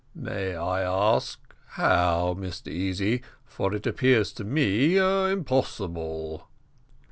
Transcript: "May I ask how, Mr Easy, for it appears to be impossible?"